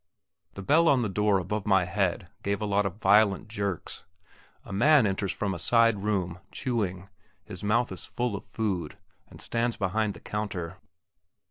The bell on the door above my head gave a lot of violent jerks. A man enters from a side room, chewing, his mouth is full of food, and stands behind the counter.